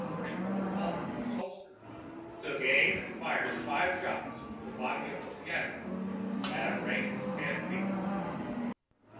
44 revolver from the holster, took aim and fired five shots into the body of the Fianna at a range of ten feet.